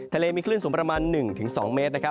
ทะเลมีคลื่นสูงประมาณ๑๒เมตร